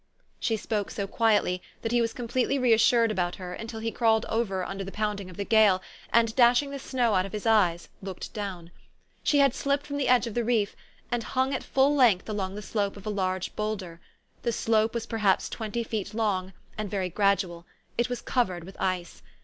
" She spoke so quietly, that he was completely re assured about her until he crawled over under the pounding of the gale, and, dashing the snow out of his eyes, looked down. She had slipped from the edge of the reef, and hung at full length along the slope of a huge bowlder. The slope was perhaps twenty feet long, and very gradual : it was covered with ice.